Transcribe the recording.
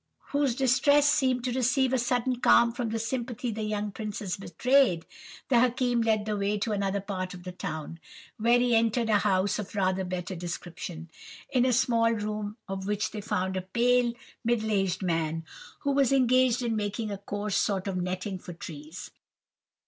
"And now, bidding adieu to this youthful sufferer, whose distress seemed to receive a sudden calm from the sympathy the young princes betrayed, the Hakim led the way to another part of the town, where he entered a house of rather better description, in a small room of which they found a pale, middle aged man, who was engaged in making a coarse sort of netting for trees.